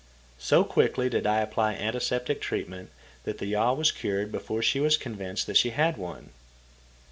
So quickly did I apply antiseptic treatment, that the yaw was cured before she was convinced that she had one.